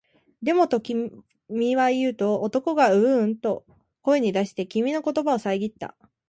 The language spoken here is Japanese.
でも、と君は言うと、男がううんと声に出して、君の言葉をさえぎった